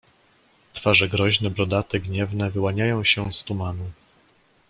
"Twarze groźne, brodate, gniewne wyłaniają się z tumanu."